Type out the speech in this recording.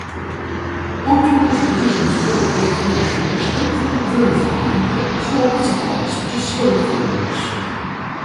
Archaeological and historical information is helpful in verifying hypothesized decipherments.